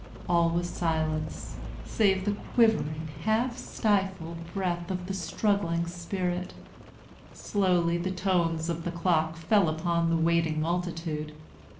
All was silence, save the quivering, half stifled breath of the struggling spirit. Slowly the tones of the clock fell upon the waiting multitude.